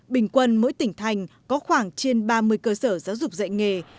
bình quân mỗi tỉnh thành có khoảng trên ba mươi cơ sở giáo dục dạy nghề